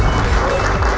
ketemu lagi di acara ini